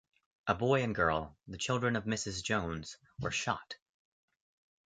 A boy and girl, the children of Mrs Jones, were shot.